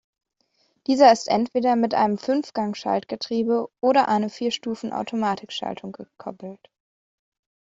Dieser ist entweder mit einem Fünfgang-Schaltgetriebe oder eine Vierstufen-Automatikschaltung gekoppelt.